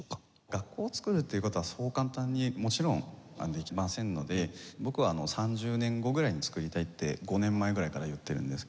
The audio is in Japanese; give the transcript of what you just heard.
学校をつくるっていう事はそう簡単にもちろんできませんので僕は３０年後ぐらいにつくりたいって５年前ぐらいから言ってるんですけども。